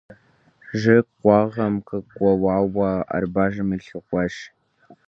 Жыг къуагъым къыкъуэувауэ, ар бажэм илъэгъуащ.